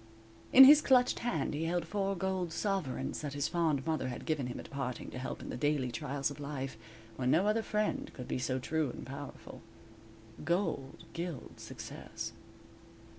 _ In his clutched hand he held four gold "sovereigns" that his fond mother had given him at parting to help him in the daily trials of life, when no other friend could be so true and powerful. Gold gilds success.